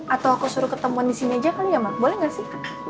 atau aku suruh ketemuan di sini meja kan ya mak boleh gak sih